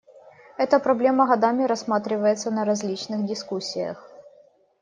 Эта проблема годами рассматривается на различных дискуссиях.